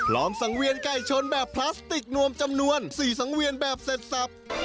อมสังเวียนไก่ชนแบบพลาสติกนวมจำนวน๔สังเวียนแบบเสร็จสับ